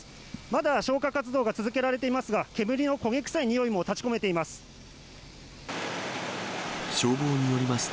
まだ消火活動が続けられていますが、煙の焦げ臭いにおいも立ちこめています。